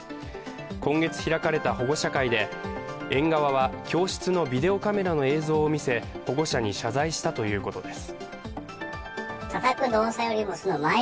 今月開かれた保護者会で園側は教室のビデオカメラの映像を見せ保護者に謝罪したということです。